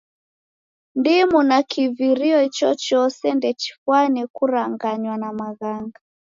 Ndimu na kivirio ichochose ndechifwane kuranganywa na maghanga.